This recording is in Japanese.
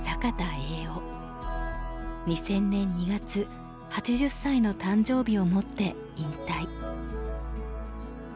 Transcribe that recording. ２０００年２月８０歳の誕生日をもって引退。